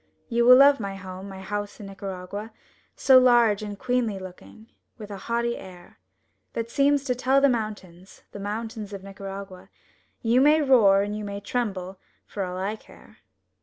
You will love my home, my house in Nicaragua, So large and queenly looking, with a haughty air That seems to tell the mountains, the mountains of Nicaragua, "You may roar and you may tremble, for all I care!"